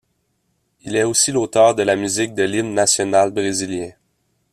Il est aussi l'auteur de la musique de l'hymne national brésilien.